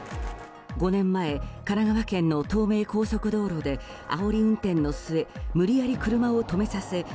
５年前、神奈川県の東名高速道路であおり運転の末無理やり車を止めさせ